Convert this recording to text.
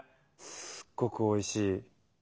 すっごくおいしい。